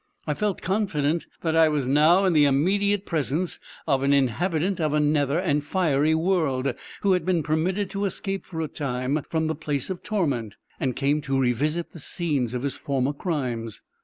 I felt confident that I was now in the immediate presence of an inhabitant of a nether and fiery world, who had been permitted to escape, for a time, from the place of torment, and come to revisit the scenes of his former crimes.